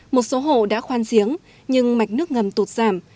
một số hộ đã khoan giếng nhưng mạch nước ngầm tụt giảm